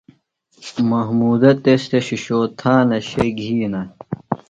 محمودہ تس تھےۡ شِشو تھانہ شئے گِھینہ۔